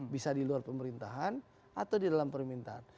bisa di luar pemerintahan atau di dalam pemerintahan